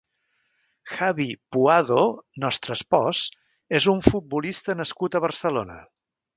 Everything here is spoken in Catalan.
Javi Puado (nostre espòs) és un futbolista nascut a Barcelona.